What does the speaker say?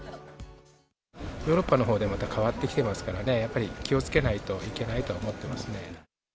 ヨーロッパのほうでまた変わってきていますからね、やっぱり気をつけないといけないとは思ってますね。